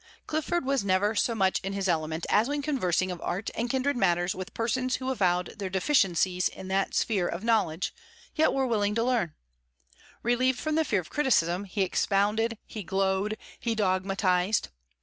Clifford was never so much in his element as when conversing of art and kindred matters with persons who avowed their deficiencies in that sphere of knowledge, yet were willing to learn; relieved from the fear of criticism, he expanded, he glowed, he dogmatized.